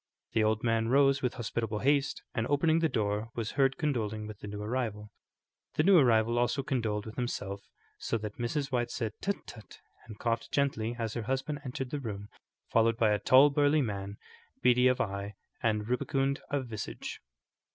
The old man rose with hospitable haste, and opening the door, was heard condoling with the new arrival. The new arrival also condoled with himself, so that Mrs. White said, "Tut, tut!" and coughed gently as her husband entered the room, followed by a tall, burly man, beady of eye and rubicund of visage.